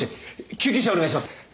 救急車をお願いします！